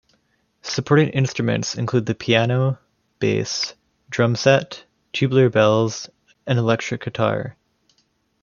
Supporting instruments include the piano, bass, drum set, tubular bells, and electric guitar.